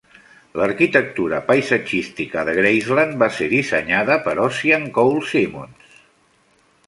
L'arquitectura paisatgística de Graceland va ser dissenyada per Ossian Cole Simonds.